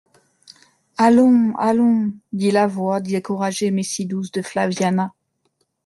«Allons … allons …» dit la voix, découragée mais si douce, de Flaviana.